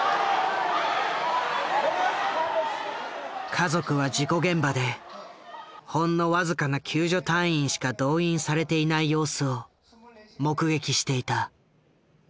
家族は事故現場でほんの僅かな救助隊員しか動員されていない様子を目撃していた。